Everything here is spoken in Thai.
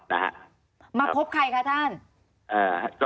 มาพบใครคะท่าน